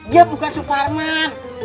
dia bukan suparman